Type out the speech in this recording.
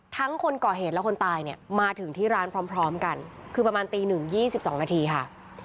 คนก่อเหตุและคนตายเนี่ยมาถึงที่ร้านพร้อมกันคือประมาณตีหนึ่ง๒๒นาทีค่ะ